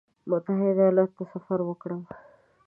متحده ایالاتو ته سفر وکړم.